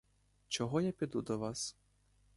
Чого я піду до вас?